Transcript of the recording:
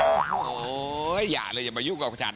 โอ้โหอย่าเลยอย่ามายุ่งกับฉัน